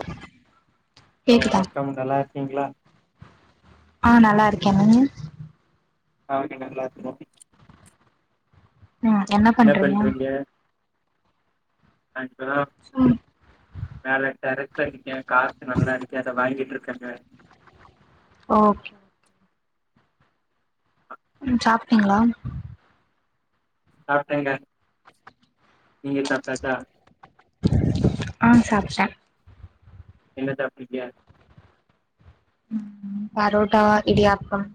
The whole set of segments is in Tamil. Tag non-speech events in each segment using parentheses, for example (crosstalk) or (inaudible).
(inaudible) ஹலோ வணக்கம் நல்லா இருக்கீங்களா அ நல்லா இருக்கே நீங் ஆ இங்க நல்லா இருக்கோ தோழி ம் என்ன பண்றீங்க (unintelligible) ம் மேல டெரஸ்ல இருக்கே காத்து நல்லா இருக்கு அத வாங்கிட்டு இருக்கேங்க ஓகே ம் சாப்ட்டீங்ளா சாப்ட்டேங்க நீங்க சாப்ட்டாச்சா ஆ சாப்ட்டே என்ன சாப்ட்டீங்க பரோட்டா இடியாப்பம்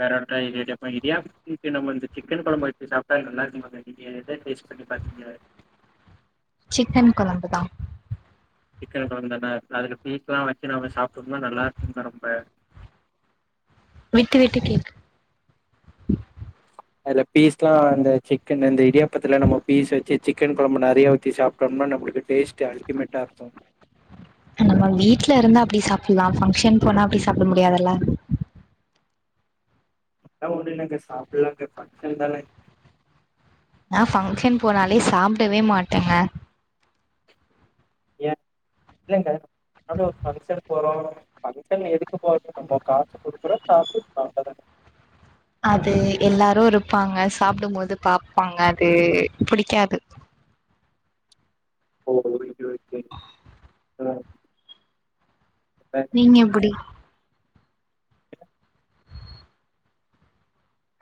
பரோட்டா இடி இடியாப்பம் இடியாப் இதுக்கு நம்ம வந்து சிக்கன் கொழம்ப வச்சு சாப்ட்டா நல்லா இருக்கு மே நீங்க எத டேஸ்ட் பண்ணி பாத்திங்க சிக்கன் கொழம்பு தா சிக்கன் கொழம்புதானே அதுல பீஸ்லா வச்சு நம்ம சாப்ட்டுருந்தா நல்லா இருக்குங்க ரொம்ப விட்டு விட்டு கேக் அதுல பீஸ்ல்லா அந்த சிக்கன் இந்த இடியாப்பத்துல நம்ம பீஸ் வச்சு சிக்கன் கொழம்பு நெறைய ஊத்தி சாப் டோம்னா நம்மளுக்கு டேஸ்ட் அல்டிமேட்டா இருக்கு நம்ம வீட்டுல இருந்தா அப்டி சாப்புலா ஃபங்க்ஷன் போனா அப்டி சாப்ட முடியாதுல்ல அதல்லா ஒன்னுல்லங்க சாப்பிலாங்க ஃபங்ஷன் தானே நா ஃபங்க்ஷன் போனாலே சாப்டவே மாட்டேங்க ஏ இல்லைங்க அப்டி ஒரு ஃபங்க்ஷன் போறோ ஃபங்ஷன் எதுக்கு போறது நம்ப காசு கொடுக்குறோ சாப்ட்ரோ அவ்ளோ தா அது எல்லாரு இருப்பாங்க சாப்டும் போது பாப்பாங்க அது புடிக்காது சொல்லு தோழி நீங்க எப்டி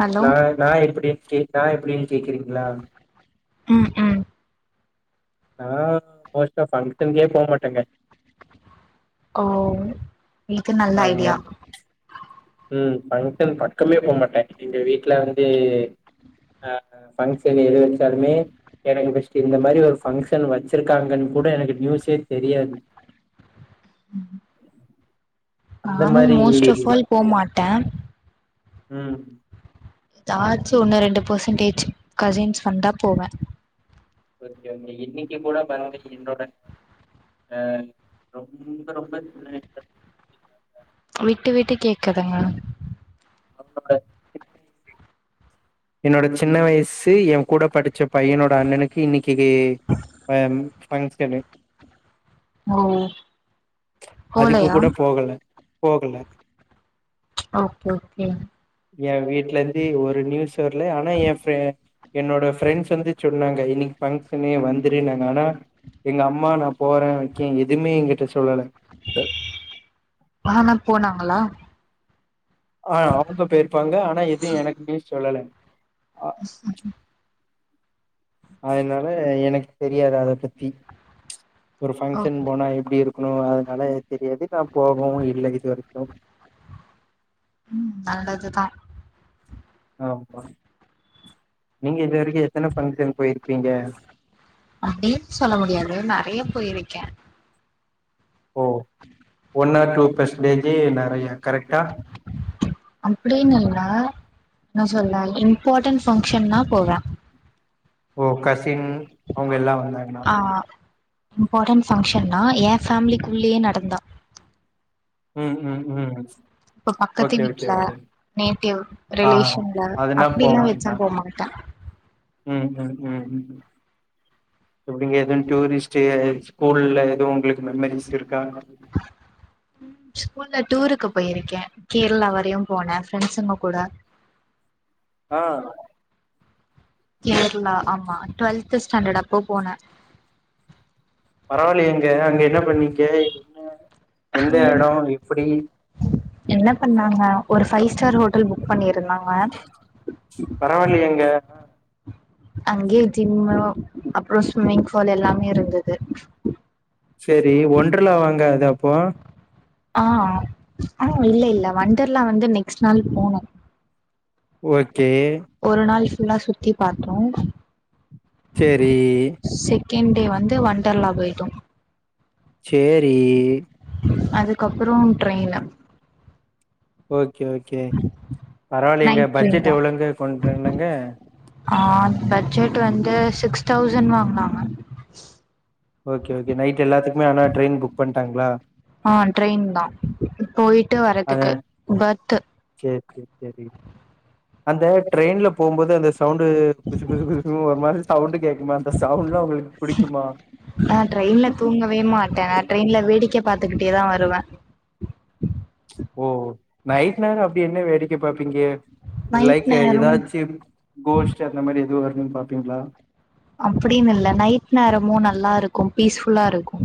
ஹலோ நா நா எப்டினு கேட்டா நா எப்டின்னு கேக்குறீங்ளா ம் ம் நா மோஸ்ட்டா ஃபங்க்ஷன்கே போ மாட்டேங்க ஓ இது நல்ல ஆமா ஐடியா ம் பங்ஷன் பக்கமே போ மாட்டே எங்க வீட்டுல வந்து அ ஃபங்க்ஷன் எது வச்சாலுமே எனக்கு ஃபஸ்ட்டு இந்த மாரி ஒரு பங்க்ஷன் வச்சிருக்காங்கன் கூட எனக்கு நியூஸே தெரியாது அந்த நானு மாரி மோஸ்ட் ஆஃப் ஆல் போ மாட்டே ம் எதாச்சு ஒன்னு ரெண்டு பர்சன்டேஜ் கசின்ஸ் வந்தா போவே ஓகேங்க இன்னைக்கு கூட பாருங்க என்னோட ஆ ரொம்ப ரொம்ப விட்டு விட்டு கேக்குதுங்க அப்பப்ப என்னோட சின்ன வயசு ஏ கூட படிச்ச பையனோட அண்ணனுக்கு இன்னைக்கு அ ஃபங்ஷன்னு ஓ அதுக்கு போலையா கூட போகல போகல அ ஓகே ஓகே எ வீட்லருந்து ஒரு நியூஸ் வரல ஆனா எ ஃப்ரெ என்னோட ஃப்ரெண்ட்ஸ் வந்து சொன்னாங்க இன்னைக்கு ஃபங்க்ஷணு வந்துருனாங்க ஆனா எங்க அம்மா நா போறே வக்கே எதுமே என்கிட்ட சொல்லல ஆனா போனாங்களா ஆ அவங்க போயிருப்பாங்க ஆனா எது எனக்கே சொல்லல அ- அதனால எனக்கு தெரியாது அத பத்தி ஒரு ஓ பஃங்க்ஷன் போனா எப்டி இருக்கணு அதனால தெரியாது நா போகவு இல்ல இது வரைக்கு ம் நல்லதுதா ஆமா நீங்க இது வரைக்கு எத்தன பங்க்ஷன் போயிருப்பீங்க அப்டின்னு சொல்ல முடியாது நெறைய போயிருக்கே ஓ ஒன் ஆர் டூ பெர்சன்டேஜு நெறையா கரெக்டா அப்டின்னு இல்ல என்ன சொல்ல இம்பார்ட்டன்ட் பஃங்க்ஷன்னா போவே ஓ கசின் அவுங்க எல்லா வந்தாங்கனா ஆ இம்பார்டன் ஃபங்க்ஷன்னா என் ஃபேமிலிக் குள்ளேயே நடந்தா ம் ம் ம் இப்ப பக்கத்து ஓகே ஓகே வீட்ல ஓகே நேட்டிவ் ஆ ரிலேஷன்ல அதுனா போ அப்டிலா வச்சா வேண்டா போமா டா ம் ம் ம் எப்டிங்க எதுவு டூரிஸ்ட்டு ஸ்கூல்ல எதுவு உங்களுக்கு மெம்மரிஸ் இருக்கா ஸ்கூல்ல டூருக்கு போயிருக்கே கேரளா வரையு போனே ஃப்ரெண்ட்ஸுங்க கூட ஆ கேரளா ஆமா டுவெல்த் ஸ்டாண்டர்ட் அப்போ போனே பரவா இல்லையேங்க அங்க என்ன பண்ணிக்க எந்த எடோ எப்பிடி என்ன பண்ணாங்க ஒரு ஃபை ஸ்டார் ஹோட்டல் புக் பண்ணி இருந்தாங்க பரவா இல்லையேங்க அங்கேயே ஜிம்மு ஸ்விம்மிங் ஃபூல் எல்லாமே இருந்துது சேரி ஒன்றலா வாங்க அது அப்போ ஆ ஆம் ஆ இல்ல இல்ல வண்டர்லா வந்து நெக்ஸ்ட் நாள் போனோ ஓகே ஒரு நாள் ஃபுல்லா சுத்தி பாத்தோ சேரி செகண்ட் டே வந்து ஒண்டர்லா போயிட்டோ சேரி அதுக்கப்பறோ ட்ரெயினு ஓகே ஓகே பரவா இல்லையேங்க நைட் ட்ரெயின் பட்ஜெட் தா எவ்வளோங்க கொண்டுனங்க ஆ பட்ஜெட் வந்து சிக்ஸ் தௌசண்ட் வாங்குனாங்க ஓகே ஓக நைட் எல்லாத்துக்குமே ஆனா ட்ரெயின் புக் பண்ட்டாங்களா ஆ ட்ரெயின்தா போயிட்டு வரதுக்கு பர்த்து சேர் சேர் சேரி அந்த ட்ரெயின்ல போம்போது அந்த ஸ் சவுண்டு் புசு புசு புசு ஒரு மாதிரி சவுண்டு் கேக்குமே அந்த சவுண்ட்லா உங்களுக்கு பிடிக்குமா நா ட்ரெயின்ல தூங்கவே மாட்டே நா ட்ரெயின்ல வேடிக்க பாத்துக்கிட்டேதா வருவே ஓ ஓ நைட் நேரம் அப்டி என்ன வேடிக்க பாப்பீங்க நைட் லைக்கே நேரோ ஏதாச்சு கோஷ்ட்டு அந்த மாரி எதுவு வருதுன்னு பாப்பீங்களா அப்டின்னு இல்ல நைட் நேரமு நல்லா இருக்கு பீஸ்ஃபுல்லா இருக்கு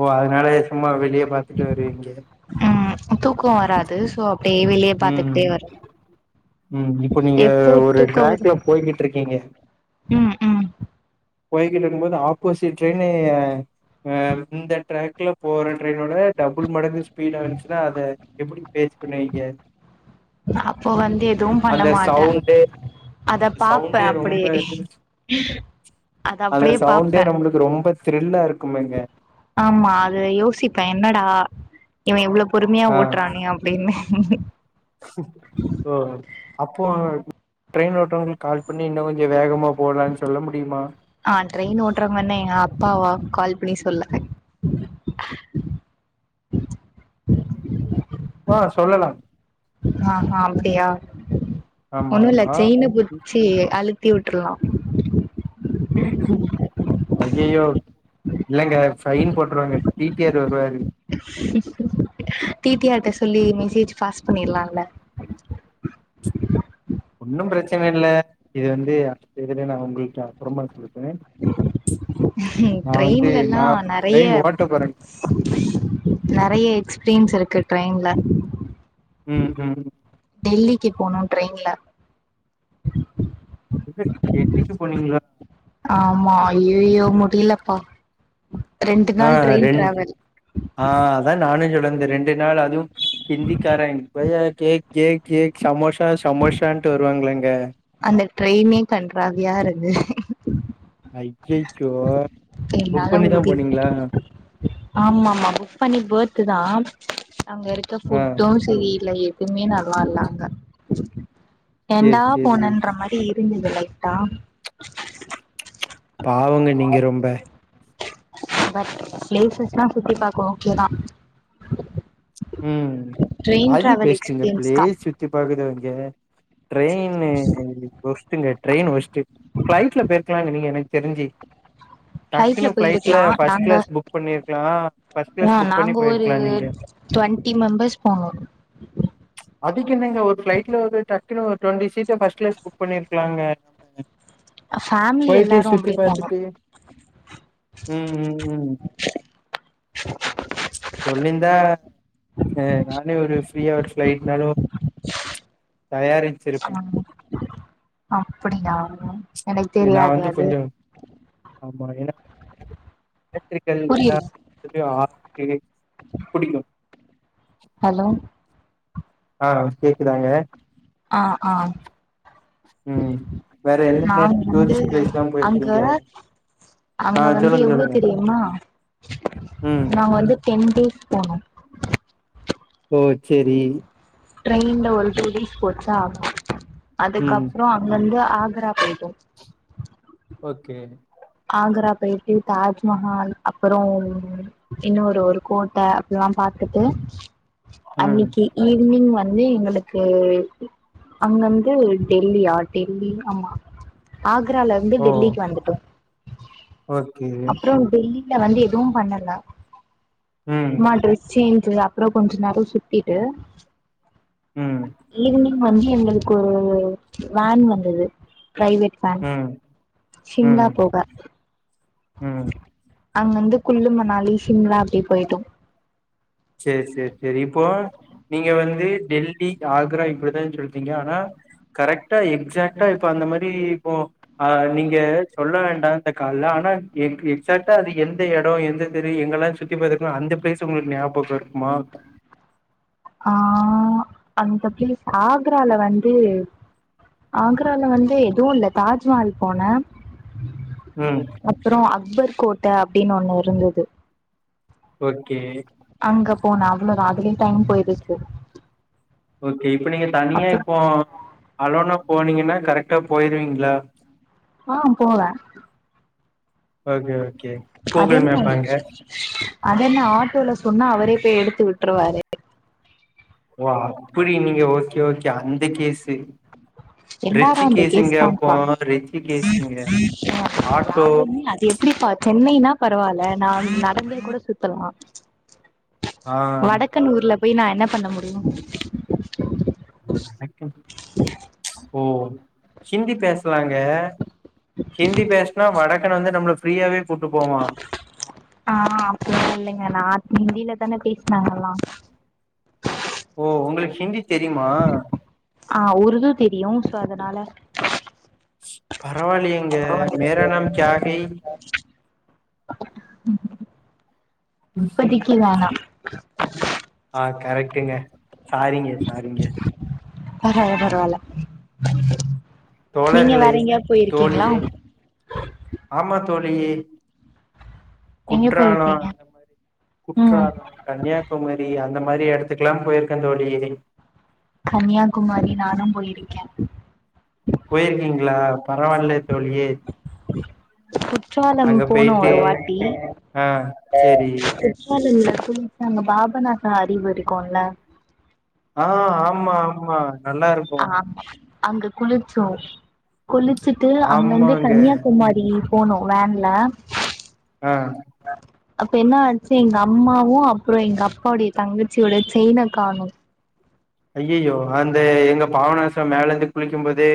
ஓ அதனாலயே சும்மா வெளிய பாத்துட்டு வருவீங்க ம் தூக்கோ வராது சோ அப்டியே வெளிய ம் பாத்துக்கிட்டே வர்றே ம் இப்போ நீங்க ஒரு வரு டிராக்ல போய்கிட்டு இருக்கீங்க ம் ம் கோய்கிட்டு இருக்கு போது ஆப்போஸிட் ட்ரெயினு ஆ இந்த ட்ராக்ல போற ட்ரெயினோட டபுள் மடங்கு ஸ்பீடா வந்துச்சுன்னா அத எப்டி பேஸ் பண்ணுவீங்க அப்போ வந்து எதுவு பண்ண அந்த மாட்டே சவுண்டு அத பாப்பே சவுண்டே ரொம்ப அப்டியே இருந்துடுச்சு அத அந்த அப்டியே சவுண்டே பாப்பே நம்மளுக்கு ரொம்ப த்ரில்லா இருக்குமேங்க ஆமா அத யோசிப்பே என்னடா இவன் இவ்ளோ பொறுமையா ஆ ஓட்டுறானே இதுல என்ன (unintelligible) ஓ அப்பறோனா ட்ரெயின் ஓட்ரவுங்களுக்கு கால் பண்ணி இன்னு கொஞ்சோ வேகமா போலானு சொல்ல முடியுமா ஆ ட்ரெயின் ஓட்டுறவங்க என்ன எங்க அப்பாவா கால் பண்ணி சொல்ல வா சொல்லலா ஆ ஆ அப்டியா ஆமா ஒன்னு இல்ல ஆமா செயினு பு ச்சி அழுத்தி விட்டுருலா ஐய்யய்யோ இல்லங்க பைன் போட்டுருவாங்க டி டி ஆர் வருவாரு டி டி ஆர் ட்ட சொல்லி மெசேஜ் பாஸ் பண்ணிடலால்ல ஒன்னு பிரச்சன இல்ல இது வந்து இருக்கதுலயே நா உங்களுக்கு அப்புறமா சொல்லி தர்றே ட்ரெயின்ல எல்லா நா நெறையா ட்ரெயின் ஓட்ட போறேங்க நறையா எக்ஸ்பீரியன்ஸ் இருக்கு ட்ரெயின்ல ம் ம் டெல்லிக்கி போனோ ட்ரெயின்ல ஏது டெல்லிக்கி போனீங்களா ஆமா அய்யய்யோ முடியலப்போ ரெண்டு ஆ நாள் ட்ரெயின் ரெண் டிராவல் ஆ அதா நானு சொல்லுறே இந்த ரெண்டு நாள் அதுவு ஹிந்திக்காரங் பையா கேக் கேக் கேக் சமோசா சமோசான்ட்டு வருவாங்களேங்க அந்த ட்ரெயினே கண்றாவியா இருந்தது அய்யய்யோ புக் என்னால பண்ணிதா முடி போனீங்களா ஆமா ஆமா புக் பண்ணி பெர்த்து தா அங்க இருக்க ஆ ஃபுட்டு சரி இல்ல எதுவுமே நல்லா இல்லா அங்க சேரி ஏன்டா சேரி போனன்ற மாதிரி பின்னுது லைட்டா பாவங்க நீங்க ரொம்ப பட் பிளேசஸ்ல்லா சுத்தி பாக்க ஓகேதா ம் அது பெஸ்ட்டு இங்க எக்ஸ்பீரியன்ஸ் தா பிளேஸ் சுத்தி பாக்குதவைங்க ட்ரைனு ஒஷ்டுங்க ட்ரைன் ஒஷ்டு பிளைட்ல போயிருக்கலாங்க நீங்க எனக்கு தெரிஞ்சி டக்குனு ஃப்ளைட்ல பிளைட்ல போயிருக்கலா ஃபர்ஸ்ட் நாங்க கிளாஸ் புக் பண்ணிருக்கலா ஃபர்ஸ்ட் கிளாஸ் புக் பண்ணி போயிருக்கலா நீங்க டு்வென்ட்டி மெம்பர்ஸ் போனோ அதுக்கு என்னங்க ஒரு பிளைட்ல ஒரு டக்குனு ஒரு டுவென்டி சீட்ட ஃபர்ஸ்ட் கிளாஸ் புக் பண்ணிருக்களாங்க ஃபேமிலி போயிட்டு எல்லாரு சுத்தி அப்டியே போனோ பாத்துட்டு ம் ம் ம் சொல்லிருந்தா ஏங்க நானே ஒரு ஃப்ரீ ஹவர் பிளைட்னாலு தயாரிச்சிருப்பே அப்படியா எனக்கு நா தெரியாதே வந்து அது கொஞ்சோ ஆமா எனக்கு (inaudible) எலக்ட்ரிகல் புரியல (inaudible) புடிக்கு ஹலோ ஆ கேக்குதாங்க ஆ ஆ ம் வேற என்னென்ன நாங் வந்து டூரிஸ்ட் பிளேஸ்லா அங்க போயிருக்கீங்க ஆ அங்க வந்து சொல்லுங்க எவ்ளோ சொல்லுங்க தெரியுமா ம் நாங்க வந்து டென் டேஸ் போனோ ஓ செரி ட்ரெயின்ல ஒரு டூ டேஸ் போச்சா ம் அதுக்கப்புறோ அங்க இருந்து ஆக்ரா போயிட்டோ ஓகே ஆக்ரா போயிட்டு தாஜ்மஹால் அப்பறோ இன்னொரு ஒரு கோட்ட அதெல்லா பாத்துட்டு ம் அன்னைக்கி ஈவ்னிங் வந்து எங்களுக்கு அங்கருந்து டெல்லியா டெல்லி ஆமா ஆக்ரால இருந்து ஓ டெல்லிக்கு வந்துட்டோ ஓகே அப்றோ டெல்லில வந்து எதுவு பண்ணல ம் சும்மா டிரெஸ் சேஞ்சு அப்புறோ கொஞ்ச நேரோ சுத்திட்டு ம் ஈவ்னிங் வந்து எங்களுக்கு ஒரு வேன் வந்துது பிரைவேட் வேன் ம் ம் ஷிம்லா போக ம் அங்க இருந்து குல்லு மணாலி சிம்லா அப்டே போயிட்டோ சேர் சேர் சேரி இப்போ நீங்க வந்து டெல்லி ஆக்ரா இப்டிதா சொல்றீங்க ஆனா கரெக்டா எக்சாக்டா இப்ப அந்த மாரி இப்போ ஆ நீங்க சொல்ல வேண்டா இந்த கால்ல ஆனா எக்சாக்டா அது எந்த எடோ எந்த தெரு எங்கெல்லா சுத் தி பாத்துருக்குல்ல அந்த பிளேஸ் உங்களுக்கு ஞாபகோ இருக்குமா ஆ அந்த பிளேஸ் ஆக்ரால வந்து ஆக்ரால வந்து எதுவு இல்ல தாஜ்மஹால் போன ம் அப்றோ அக்பர் கோட்ட அப்டின்னு ஒன்னு இருந்தது ஓகே அங்க போனோ அவ்வளதா அதுலயே டைம் போயிடுச்சு ஓகே இப்ப நீங்க தனியா அப்றோ இப்போ அலோனா போனீங்கன்னா கரெக்டா போயிருவீங்களா ஆ போவே ஓகே ஓகே கூகுள் அதென்ன மேப் அங்க அதென்ன ஆட்டோல சொன்னா அவரே போய் எடுத்து விட்ருவாரு ஓ அப்புடி நீங்க ஓகே ஓகே அந்த கேஸு எல்லாரு ரிச்சி அந்த கேஸ் கேஸுங்க அப்போ. தான்ப்பா ரிச்சி கேஸுங்க. ஆட்டோ. யாருமே அது எப்டிபா சென்னைனா பரவால்ல நா நடந்தே கூட சுத்தலா ஆ வடக்கன் ஊர்ல போய் நா என்ன பண்ண முடியு வடக்கன் ஓ ஹிந்தி பேஸ் சுவாங்க ஹிந்தி பேசுனா வடக்கன் வந்து நம்மள ஃப்ரீயாவே கூட்டு போவா ஆ அப்பில்லா இல்லங்க நா ஹிந்தில தாங்க பேசின அங்கல்லா ஓ உங்களுக்கு ஹிந்தி தெரியுமா ஆ உருது தெரியு சோ அதனால பரவாயில்லியேங்க மேரா நாம் கியா கை இப்பதிக்கு வேணா ஆ கரெக்டுங்க சாரிங்க சாரிங்க பரவால பரவால நீங்க தோழர்களே வேற எங்கயா போயிரிக்கீங்ளா தோழியே ஆமா தோழி எங்க குற்றாலோ போயிருக்கீங்க ம் குற்றாலோ கன்னியாகுமரி அந்த மாரி எடத்துக் எல்லா போயிருக்கந் தோழி கன்னியாகுமாரி நானு போயிருக்கே போயிருக்கீங்ளா பரவாயில்ல தோழியே குற்றாலம் அங்க போனோ போயிட்டு ஒரு வாட்டி ஆ சேரி குற்றால இல்ல குளிச்ச அங்க பாபாநாச அறிவி இருக்குல்ல ஆ ஆமா ஆமா நல்லா இருக் ஆமா அங்க குளிச்சோ குளிச்சிட்டு அங்கந்து ஆமாங்க கன்னியாகுமாரி ப்படி போனோ வேன்ல ஆ ஆ அப்ப என்ன ஆச்சி எங்க அம்மாவு அப்புறோ எங்க அப்பாவுடைய தங்கச்சியோட செயினக்கானு ஐய்ஐயோ அந்த எங்க பாவனாசம் மேல இருந்து குளிக்கு போதே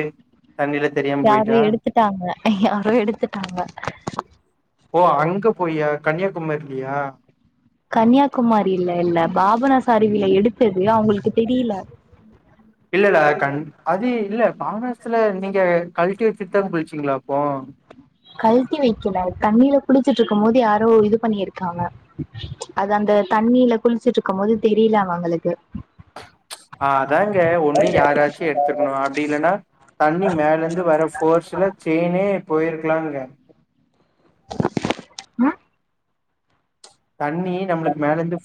தண்ணில தெரியாம கியாரோ போயிட்டா எடுத்துட்டாங்க யாரோ எடுத்துட்டாங்க ஓ அங்க போயா கன்னியாகுமரிலியா கன்னியாகுமாரில இல்ல பாபனாச அருவில எடுத்தது அவுங்களுக்கு தெரியல இல்ல இல்ல கண் அது இல்ல பாபசத்ல நீங்க கல்ட்டி வச்சிட்டுதா குளிச்சீங்களா அப்போ கழ்ட்டி வைக்கல தண்ணியில குடிச்சிட்டு இருக்கு போது யாரோ இது பண்ணி இருக்காங்க அது அந்த தண்ணீல குளிச்சிட்டு இருக்கு போது தெரியலா அவங்களுக்கு ஆ அதாங்க ஒன்னு யாராச்சு எடுத்துருக்கானு அப்டி இல்லன்னா தண்ணி மேல இந்து வர ஃபோர்ஸ்ல செய்னே போயிருக்கலாங்க ம் தண்ணி நம்மளுக்கு மேலந்து